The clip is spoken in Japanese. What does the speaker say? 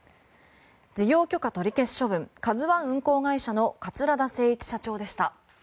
事業許可取り消し処分「ＫＡＺＵ１」運航会社の桂田精一社長でした。